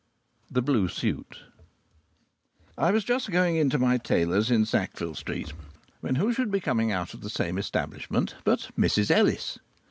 THE BLUE SUIT I was just going into my tailor's in Sackville Street, when who should be coming out of the same establishment but Mrs Ellis!